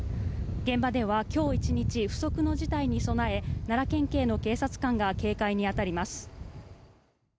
現場では今日１日不測の事態に備え奈良県警の警察官が警戒に当たります。